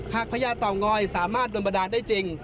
หากพระยาเต่าง้อยสามารถดนบันดาลได้จริง